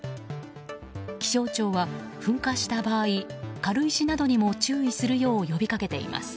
気象庁は噴火した場合軽石などにも注意するよう呼びかけています。